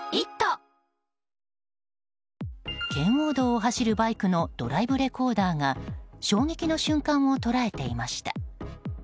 圏央道を走るバイクのドライブレコーダーが衝撃の瞬間を捉えていました。